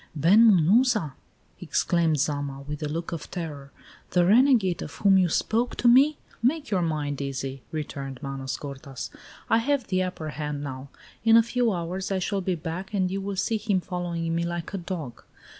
"Ben Munuza!" exclaimed Zama, with a look of terror; "the renegade of whom you spoke to me?" "Make your mind easy," returned Manos gordas. "I have the upper hand now. In a few hours I shall be back and you will see him following me like a dog.